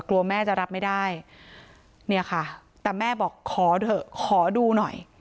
กลัวแม่จะรับไม่ได้เนี่ยค่ะแต่แม่บอกขอเถอะขอดูหน่อย